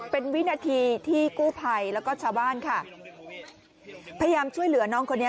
เป็นวินาทีที่กู้ภัยแล้วก็ชาวบ้านค่ะพยายามช่วยเหลือน้องคนนี้